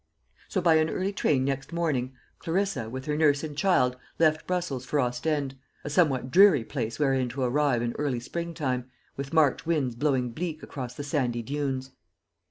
So, by an early train next morning, Clarissa, with her nurse and child, left Brussels for Ostend a somewhat dreary place wherein to arrive in early spring time, with March winds blowing bleak across the sandy dunes.